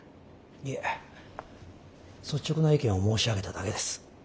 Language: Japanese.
いえ率直な意見を申し上げただけです。